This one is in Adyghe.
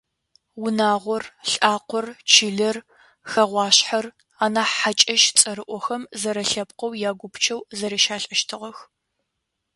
Унагъор, лӏакъор, чылэр, хэгъуашъхьэр, анахь хьакӏэщ цӏэрыӏохэм – зэрэлъэпкъэу ягупчэу зэрищалӏэщтыгъэх.